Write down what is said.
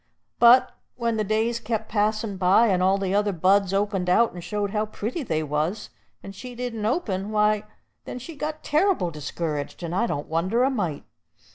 But when the days kep' passin' by, and all the other buds opened out, and showed how pretty they was, and she didn't open, why, then she got terr'ble discouraged; and I don't wonder a mite.